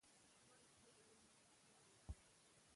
احمد له خپله ظلمه نټه وکړه.